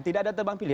tidak ada tebang pilih